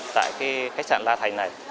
tại khách sạn la thành này